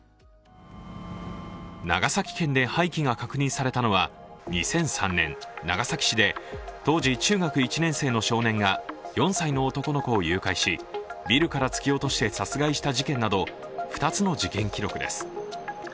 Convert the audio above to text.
長崎県で廃棄が確認されたのは、２００３年長崎市で当時中学１年生の少年が４歳の男の子を誘拐しビルから突き落として殺害した事件など２つの事件記録です